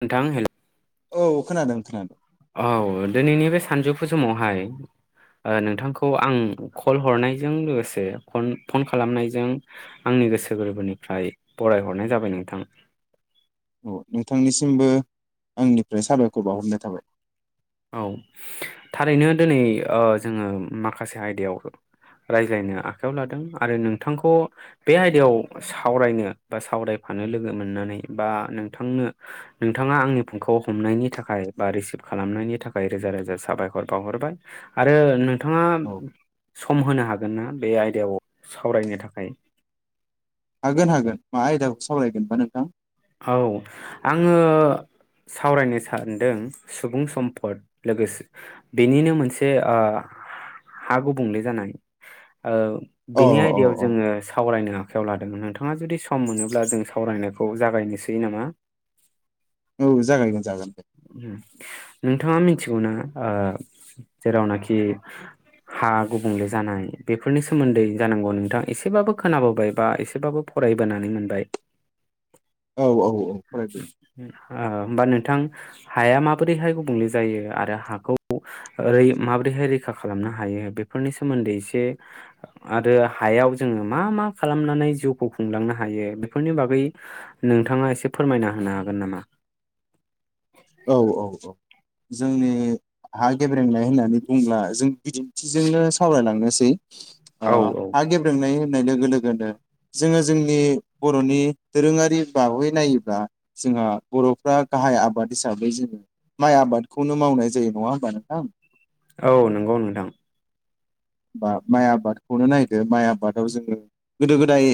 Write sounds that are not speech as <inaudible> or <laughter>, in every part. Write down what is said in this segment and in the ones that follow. नोंथां हेल' औ खोनादों खोनादों । औ दिनैनि बे सानजौफु समावहाय ओ नोंथांखौ आं कल हरनायजों लोगोसेन फन खालामनायजों आंनि गोसो गोरबोनिफ्राय बरायहरनाय जाबाय नोंथां । औ नोंथांनिसिमबो आंनिफ्राय साबायखर बावहरनाय थाबाय । औ थारैनो दिनै ओ जोङो माखासे आयदायाव रायज्लायनो आखायाव लादों आरो नोंथांखौ बे आयदायाव सावरायनो बा सावरायफानो लोगो मोननानै बा नोंथांनो नोंथाङा आंनि फुंखौ हमनायनि थाखाय बा रिसिभ खालामनायनि थाखाय रोजा रोजा साबायखर बावहरबाय आरो नोंथाङा औ सम होनो हागोन ना बे आयदायाव सावरायनो थाखाय? हागोन हागोन मा आयदाखौ सावरायगोनबा नोंथां? औ आङो सावरायनो सानदों सुबुं सम्पद लोगोसे बेनिनो मोनसे ओ हा गुबुंले जानाय ओ अ बिनि अ आयदायाव अ जोङो सावरायनो आखायाव लादों नोंथाङा जुदि सम मोनोब्ला जों सावरायनायखौ जागायनोसै नामा औ जागायगोन जागोन दे ओम नोंथाङा मि मिथिगौना ओ जेरावनाखि हा गुबुंले जानाय बेफोरनि सोमोन्दै जानांगौ नोंथाङा एसेबाबो खोनाबोबाय बा एसेबाबो फरायबोनानै मोनबाय? औ औ औ फरायदो आ होनबा नोंथां थां हाया माबोरैहाय गुबुंले जायो आरो हाखौ ओरै माबोरैहाय रै रैखा खालामनो हायो बेफोरनि सोमोन्दै एसे आरो हायाव जोङो मा मा खालामनानै जिउखौ खुंलांनो हायो बेफोरनि बागै नोंथाङा एसे फोरमायना होनो हागोन नामा? औ औ औ जोंनि हा गेब्रेंनाय होननानै बुंब्ला जों बिदिन्थिजोंनो सावरायलांनोसै । औ अ औ हा गेब्रेनाय होननाय लोगो लोगोनो जोङो जोंनि बर'नि दोरोङारि बागै नायोब्ला जोंहा बर'फ्रा गाहाय आबाद हिसाबै जोङो माइ आबादखौनो मावनाय जायो नङा होमबा नोंथां? औ नंगौ नोंथां बा माइ आबादखौनो नायदो माइ आबादाव जोङो गोदो गोदाय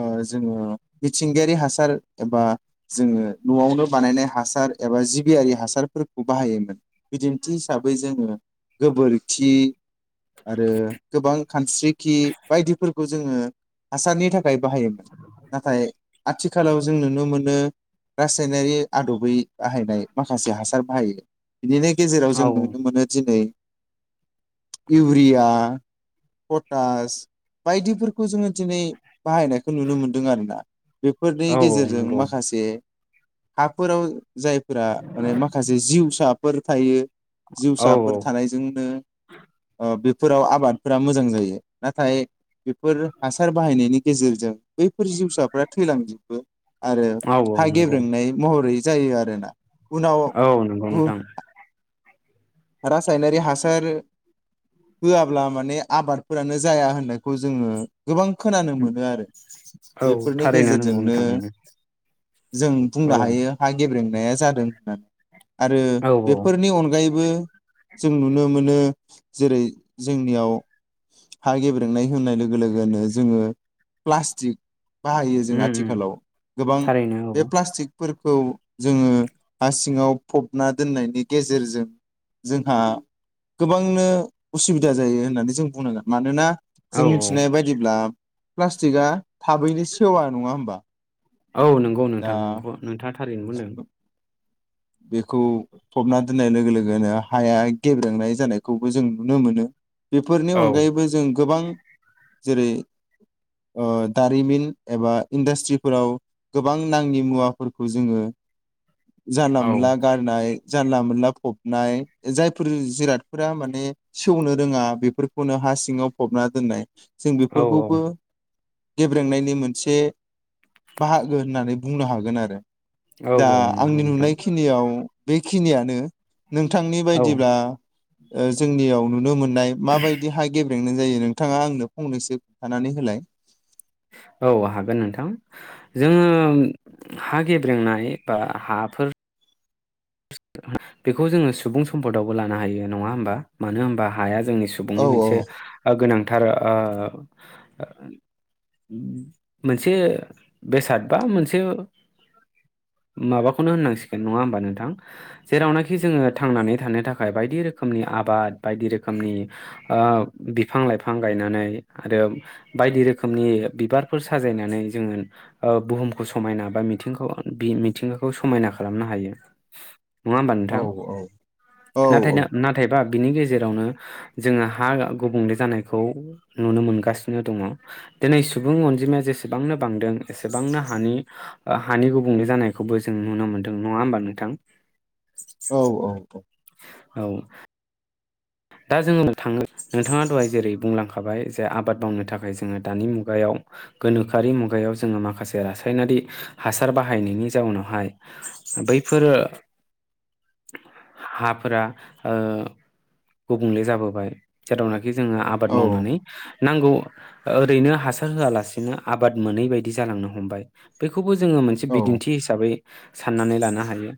ओ जोङो मिथिंगायारि हासार एबा जोङो न'आवनो बानायनाय हासार एबा जिबियारि हासारफोरखौ बाहायोमोन बिदिन्थि हिसाबै जोङो गोबोरखि आरो गोबां खानस्रिखि बायदिफोरखौ जोङो हासारनि थाखाय बाहायोमोन नाथाय आथिखालाव जों नुनो मोनो रासायनारि आदबै बाहायनाय माखासे हासार बाहायो । बिनिनो गेजेराव जों औ नुनो मोनो दिनै इउरिया पटास बायदिफोरखौ जोङो दिनै बाहायनायखौ नुनो मोनदों आरोना । बेफोरनि औ औ गेजेरजों नंगौ माखासे हा फोराव जायफोरा माने माखासे जिउसा फोर थायो। औ औ जिउसाफोर थानायजोंनो बेफोराव आबादफोरा मोजां जायो नाथाय बेफोर हासार बाहायनायनि गेजेरजों बैफोर जिउसाफ्रा थैलांजोबो। आरो औ औ हा नंगौ गेब्रोंनाय महरै जायो आरोना उनाव औ नंगौ गु नोंथां रासायनारि हासार होआब्ला माने आबादफोरानो जाया होननायखौ जोङो गोबां खोनानो मोनो आरो औ बेफोरनि थारैनो नंगौ गेजेरजोंनो नोंथां जों बुंनो औ हायो हा गेब्रें जादों आरो औ बेफोरनि अनगायैबो बो जों नुनो मोनो जेरै जोंनियाव हा गेब्रेंनाय होननाय लोगो लोगोनो जोङो प्लास्टिक बाहायो जों उम उम आथिखालाव गोबां थारैनो बे औ प्लास्टिक फोरखौ जोङो हा सिङाव फबना दोननायनि गेजेरजों जोंहा गोबांनो उसुबिदा जायो होननानै जों बुंनांगोन मानोना औ जों मिथिनाय बायदिब्ला प्लास्टिकआ थाबैनो सेवा नङा होमबा औ नंगौ दा नोंथां नगौ नोंथाङा थारैनो बुंदों। बेखौ फबना दोननाय लोगो लोगोनो हाया गेब्रेंनाय जानायखौबो जों नुनो मोनो। बेफोरनि औ अनगायैबो जों गोबां जेरै दारिमिन एबा इन्डास्ट्रिफोराव गोबां नाङि मुवाफोरखौ जोङो जानला औ मोनला गारनाय जानला मोनला फबनाय जायफोर जिरादफोरा माने सेवनो रोङा बेफोरखौनो हा सिङाव फबना दोननाय। जों औ बेफोरखौबो गेब्रेंनायनि मोनसे बाहागो होननानै बुंनो हागोन आरो। औ औ नंगौ नोंथां। याव बेखिनियानो नोंथांनि औ बायदिब्ला जोंनियाव नुनो मोनो। माबादि हा गेब्रेंनाय गेब्रेंनाय जायो नोंथाङा आंनो फंनैसो खोनथानानै होलाय। औ हागोन नोंथां जोङो हा गेब्रेंनाय बा हाफोर बेखौ जोङो सुबुं सम्पदावबो लानो हायो नङा होमबा मानो होनबा हाया। जोंनि औ सुबुंनि औ मोनसे ओ गोनां थार ओ मोनसे बेसाद बा मोनसे माबाखौनो होननांसिगोन नङा होमबा नोंथां? जेरावनाखि जोङो थांनानै थानो थाखाय बायदि रोखोमनि आबाद बायदि रोखोमनि ओ बिफां लाइफां गायनानै आरो बायदि रोखोमनि बिबारफोर साजायनानै जोङो ओ बुहुमखौ समायना बा मिथिंखौ मिथिंगाखौ समायना खालामनो हायो । नङा होमबा औ नोंथां औ औ नाथाय नाथायबा बिनि गेजेरावनो जोङो हा गुबुंले जानायखौ नुनो मोनगासिनो दङ दिनै सुबुं अनजिमाया जेसेबांनो बांदों एसेबांनो ओ हानि हानि गुबुंले जानायखौबो जों नुनो मोनदों नङा होमबा नोंथां? औ औ औ औ दा जोङो थाङो नोंथाङा दहाय जेरै बुंलांखाबाय जे आबाद मावनो थाखाय जोङो दानि मुगायाव गोनोखोआरि मुगायाव जोङो माखासे रासायनारि हासार बाहायनायनि जाउनावहाय बैफोर हाफोरा ओ गुबुंले जाबोबाय जेरावनाखि जोङो आबाद औ मावनानै नांगौ ओ ओरैनो हासार होआलासिनो आबाद मोनै बायदि जालांनो हमबाय बेखौ बे खौबो जोङो मोनसे औ बिदिन्थि हिसाबै साननानै लानो हायो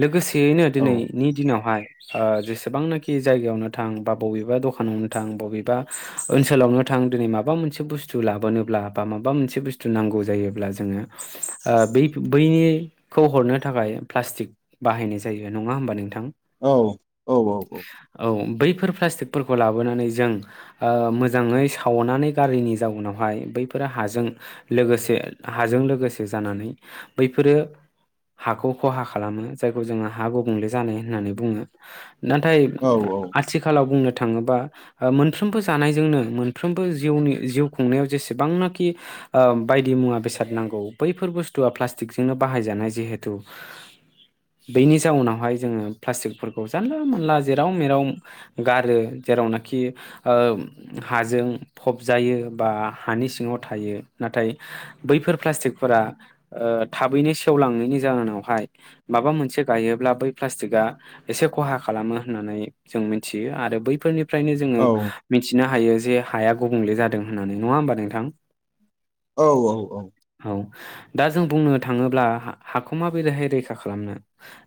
लोगोसे यैनो औ दिनैनि दिनावहाय ओ जेसेबांनाखि जायगायावनो नो थां बा बबेबा दखानावनो थां बबेबा ओनसोलावनो थां दिनै माबा मोनसे बुस्थु लाबोनोब्ला बा माबा मोनसे बुस्थु नांगौ जायोब्ला जोङो ओ बै बैनिखौ हरनो थाखाय प्लास्टिक बाहायनाय जायो नङा होमबा नोंथां औ औ औ औ बैफोर प्लास्टिकफोरखौ लाबोनानै जों ओ मोजाङै सावनानै गारिनि जाउनावहाय बैफोरो हाजों लोगोसे हाजों लोगोसे जानानै बैफोरो हाखौ खहा खालामो जायखौ जोङो हा गुबुंले जानाय होननानै बुङो । नाथाय आथिखालाव बुंनो थाङोबा ओ मोनफ्रोमबो जानायजोंनो मोनफ्रोमबो जिउनि जिउ खुंनायाव जेसेबांनाखि ओ बायदि मुवा बेसाद नांगौ बैफोर बुस्थुआ प्लास्टिकजोंनो बाहायजानाय जिहेथु बेनि जाउनावहाय जोङो प्लास्टिकफोरखौ जानला मोनानला जेराव मेराव गारो जेरावनाखि ओ हाजों फबजायो बा हानि सिङाव थायो नाथाय बैफोर प्लास्टिकफोरा ओ थाबैनो सेवलांनायनि जाहोनावहाय माबा मोनसे गायोब्ला बै प्लास्टिकआ एसे खहा खालामो होननानै जों मिथियो आरो बैफोरनि फ्रायनो जोङो मिथिनो हायो जे हाया गुबुंले जादों होननानै नङा होमबा नोंथां? औ औ औ दा जों बुंनो थाङोब्ला हाखौ माबैहाय रैखा खालामनो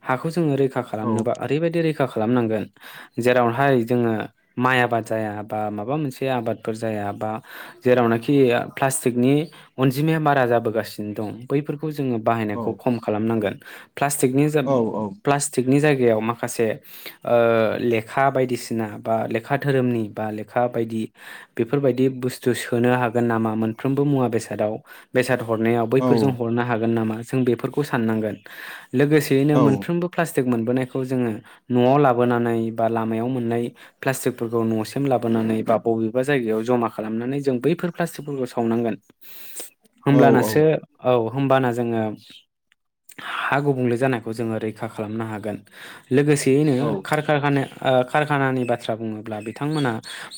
हाखौ जोङो रै रैखा खालामनोबा ओरैबायदि रैखा खालामनांगोन जेरावहाय जोङो माइ आबाद जाया बा माबा मोनसे आबादफोर जाया बा जेरावनाखि प्लास्टिकनि अनजिमाया बारा जाबोगासिनो दं बैफोर खौ जोङो बाहायनायखौ खम खालामनांगोन । <inaudible> प्लासटिकनि औ प्लासटिक जायगा आव माखासे ओ ले लेखा बायदिसिना बा लेखा धोरोमनि बा लेखा बायदि बेफोरबायदि बुस्थु सोनो हागोन नामा मोनफ्रोमबो मुवा बेसादाव बेसाद हरनायाव बैफोरजों हरनो हागोन गोन नामा जों बेफोरखौ साननांगोन । लोगोसेयैनो मोनफ्रोमबो प्लास्टिक मोनबोनायखौ जोङो न'आव लाबोनानै बा लामायाव मोननाय प्लास्टिकफोरखौ न'सिम लाबोनानै बा बबेबा जायगायाव ज'मा खालामनानै जों बैफोर प्लास्टिकफोरखौ सावनांगोन। होमब्लानासो औ होमबाना जोङो हा गुबुंले जानायखौ जोङो रैखा रैखा खालामनो हागोन। लोगोसेयैनो खार खानाया कारखानानि बाथ्रा बुङोब्ला बिथांमोना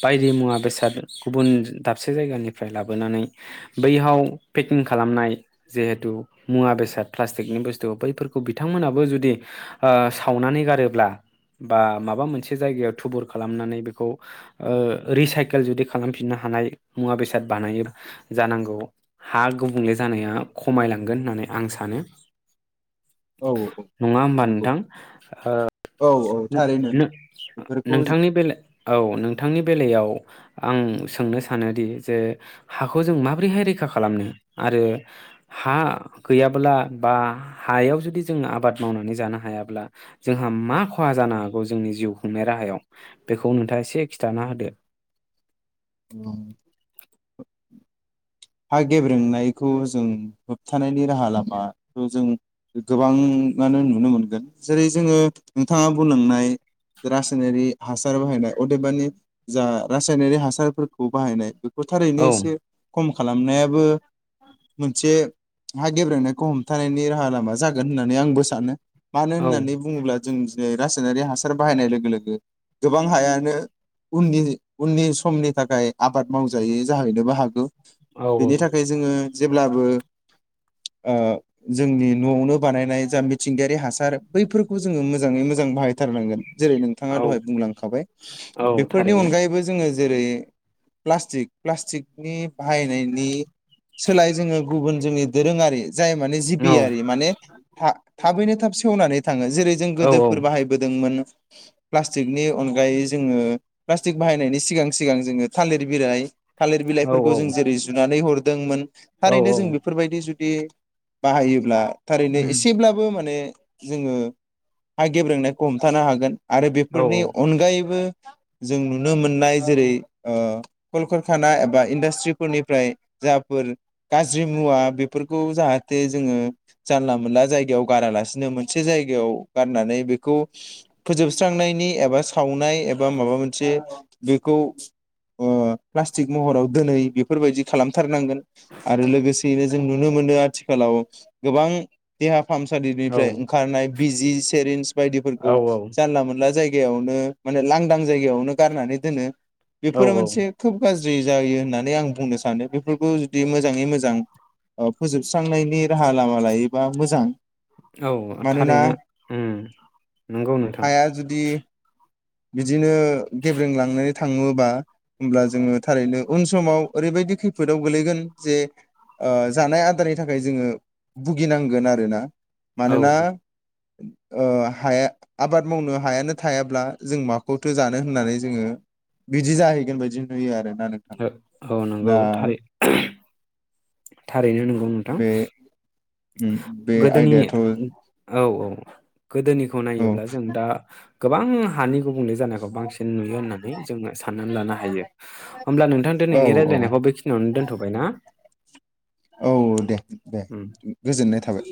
बायदि मुवा बेसाद गुबुन दाबसे जायगानिफ्राय लाबोनानै बैयाव पेकिं खालामनाय जिहेथु मुवा बेसाद प्लास्टिकनि बुस्थु बैफोरखौ बिथांमोनाबो जुदि सावनानै गारोब्ला बा माबा माबा मोनसे जायगायाव थुबुर खालामनानै बेखौ रिसाइकेल जुदि खालामफिननो हानाय मुवा बेसाद बानाय जानांगौ हा गुबुंले जानाया खमायलांगोन होननानै आं सानो। औ नङा होमबा नंगौ नोंथां? औ औ थारैनो बेफोरखौ नोंथांनि बेल औ नोंथांनि बेलायाव आं सोंनो सानोदि जे हाखौ जों माब्रैहाय रैखा खालामनो आरो हा गैयाब्ला बा हायाव जुदि जों आबाद मावनानै जानो हायाब्ला जोंहा मा खहा जानो हागौ। जोंनि जिउ खुंनाय राहायाव बेखौ नोंथाङा एसे खिन्थाना होदो। औ हा गेब्रेंनायखौ जों होबथानायनि राहा लामाखौ जों गोबाङानो नुनो मोनगोन जेरै जोङो नोंथाङा बुंलांनाय रासायनारि हासार बाहायनाय अदेबानि जा रासायनारि हासारफोरखौ बाहायनाय। फोथारैनो औ एसे खम खालामनायाबो मोनसे आहा गेब्रेनायखौ हमथानायनि राहा लामा जागोन होननानै आंबो सानो मानो औ होननानै बुङोब्ला जों दिनै रासायनारि हासार बाहायनाय लोगो लोगो गोबां हायानो उननि उननि समनि थाखाय आबाद मावजायै जाहैनोबो हागौ। औ बेनि थाखाय जोङो जेब्लाबो ओ जोंनि न'आवनो बानायनाय जा। मिथिंगायारि हासार बैफोरखौ जोङो मोजाङै मोजां बाहायथारनांगोन। जेरै नोंथाङा औ दहाय बुंलांखाबाय औ बेफोरनि थारैनो अनगायैबो जोङो। जेरै प्लास्टिक प्लास्टिकनि बाहायनायनि सोलाय जोङो गुबुन जोंनि दोरोङारि जाय माने औ जिबियारि माने थाबैनो थाब सेवनानै थां थाङो जेरै जों औ गोदोफोर बाहायबोदोंमोन। प्लास्टिकनि अनगायै जोङो प्लास्टिक बाहायनायनि सिगां सिगां जोङो थालिर बिलाइ थालिर औ बिलाइफोर जों जेरै जुनानै हर दोंमोन। औ थारैनो औ जों बेफोरबायदि जु <unintelligible> बाहायोब्ला थारैनो एसेब्लाबो माने जोङो हा गेब्रेंनायखौ हमथानो हागोन आरो बेफोरनि अनगायैबो जों नुनो मोननाय जेरै ओ कलकारखाना एबा इनदास्ट्रि मट्रिफोरनिफ्राय जाफोर गाज्रि मुवा बेफोरखौ जाहाथे जोङो जानला मोनला जायगायाव गारालासिनो मोनसे जायगायाव गारनानै बेखौ फोजोबस्रांनायनि एबा सावनाय एबा माबा मोनसे बेखौ ओ प्लास्टिक महराव दोनै बेफोरबायदि खालामथारनांगोन आरो लोगोसे जों नुनो मोनो आथिखालाव गोबां देहा फाहामसालिनिफ्राय ओंखारनाय बिजि सेरन्स बायदिफोरखौ औ जानला मोनला जायगा जायगायावनो माने लांदां जायगायावनो गारनानै दोनो औ बेफोरो औ मोनसे खोब गाज्रि जायो होननानै आं बुं बुंनो सानो बेफोरखौ जुदि मोजाङै मोजां ओ फोजोबस्रांनायनि राहा लामा लायोबा मोजां औ मानोना थारैनो नंगौ नोंथां हाया जुदि बिदिनो गेब्रें लांनानै थाङोबा होमब्ला जोङो थारैनो उन समाव ओरैबायदि खैफोदाव गोल्लैगोन जे ओ जानाय आदारनि थाखाय जोङो भुगिनांगोन आरोना औ मानोना ओ हाया आबाद मावनो हायानो थायाब्ला जों माखौथो जानो होननानै जोङो बिदि जाहैगोन बायदि नुयो आरो औ नंगौ थारै थारैनो नंगौ नोंथां बे उम बे गोदोनि आयदायाथ' औ औ गोदोनिखौ औ नायोब्ला जों दा गोबां हानि गुबुंले जानायखौ बांसिन नुयो होननानै जोङो साननानै लानो हायो होमब्ला नोंथां औ दिनैनि औ रायज्लायनायखौ बेखिनियावनो दोनथ'बाय ना औ दे दे उम गोजोननाय थाबाय